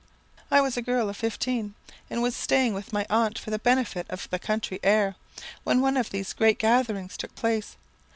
"I was a girl of fifteen, and was staying with my aunt for the benefit of the country air, when one of these great gatherings took place.